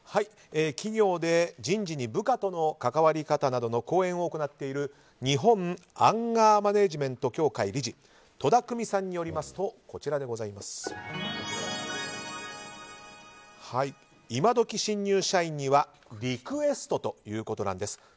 企業で人事に部下との関わり方などの講演を行っている日本アンガーマネジメント協会理事戸田久美さんによりますとイマドキ新入社員にはリクエストということなんです。